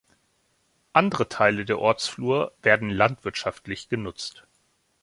Andere Teile der Ortsflur werden landwirtschaftlich genutzt.